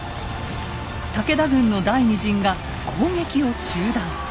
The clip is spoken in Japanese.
武田軍の第２陣が攻撃を中断。